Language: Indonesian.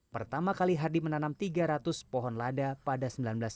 pertama kali hardi menanam tiga ratus pohon lada pada seribu sembilan ratus sembilan puluh